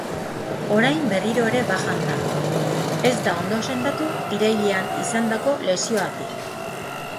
Orain berriro ere bajan da, ez da ondo sendatu irailean izandako lesioatik.